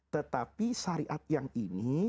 tetapi syariat yang ini